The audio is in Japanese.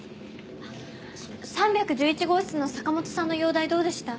３１１号室の坂本さんの容体どうでした？